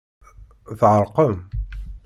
Tɛerqem?